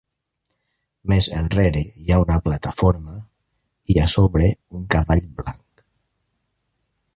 Més enrere hi ha una plataforma i, a sobre, un cavall blanc.